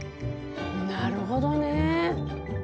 なるほどね。